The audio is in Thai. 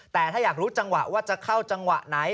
แต่ถ้าอยากรู้จังหวะว่าจะเข้าจังหวะไหน